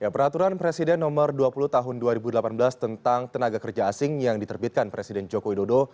peraturan presiden nomor dua puluh tahun dua ribu delapan belas tentang tenaga kerja asing yang diterbitkan presiden joko widodo